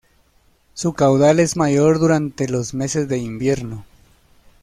Su caudal es mayor durante los meses de invierno.